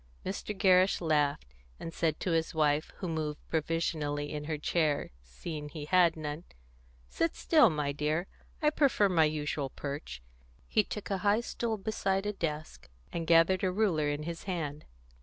Mr. Gerrish laughed, and said to his wife, who moved provisionally in her chair, seeing he had none, "Sit still, my dear; I prefer my usual perch." He took a high stool beside a desk, and gathered a ruler in his hand.